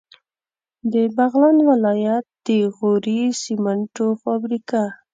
د بغلان ولایت د غوري سیمنټو فابریکه